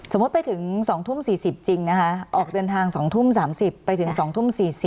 ไปถึง๒ทุ่ม๔๐จริงนะคะออกเดินทาง๒ทุ่ม๓๐ไปถึง๒ทุ่ม๔๐